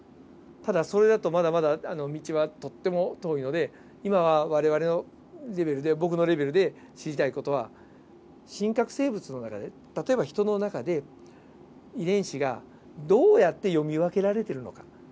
ただそれだとまだまだ道はとっても遠いので今は我々の僕のレベルで知りたい事は真核生物の中で例えばヒトの中で遺伝子がどうやって読み分けられてるのか。